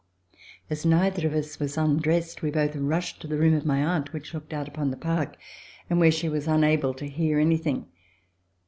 As neither of us was undressed, we both rushed to the room of my aunt, which looked out upon the park, and where she was unable to hear anything.